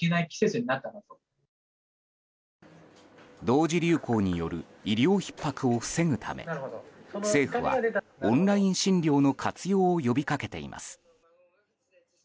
同時流行による医療ひっ迫を防ぐため政府はオンライン診療の活用を呼びかけています。